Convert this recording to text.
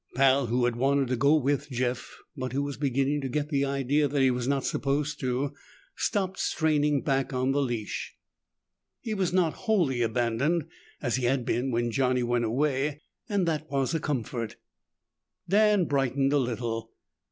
Pal, who had wanted to go with Jeff but who was beginning to get the idea that he was not supposed to, stopped straining back on the leash. He was not wholly abandoned, as he had been when Johnny went away, and that was a comfort. Dan brightened a little.